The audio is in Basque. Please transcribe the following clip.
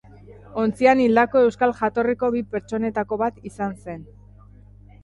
Ontzian hildako euskal jatorriko bi pertsonetako bat izan zen.